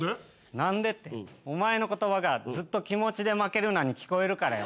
なんでってお前の言葉がずっと気持ちで負けるなに聞こえるからや。